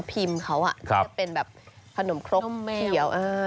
พิมพ์เขาอะถ้าเป็นขนมโครคเขียว